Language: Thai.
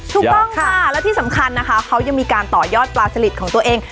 ถูกต้องค่ะแล้วที่สำคัญนะคะเขายังมีการต่อยอดปลาสลิดของตัวเอง